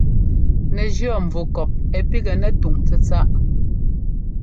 Nɛ jíɔ́ nvukɔp ɛ píkŋɛ nɛ túŋ tsɛ̂tsáʼ.